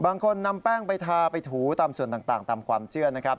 บางคนนำแป้งไปทาไปถูตามส่วนต่างตามความเชื่อนะครับ